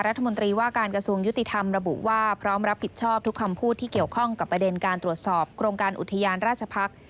รัฐมนตรีว่าการกระทรวงยุติธรรมระบุว่าพร้อมรับผิดชอบทุกคำพูดที่เกี่ยวข้องกับประเด็นการตรวจสอบโครงการอุทยานราชพักษ์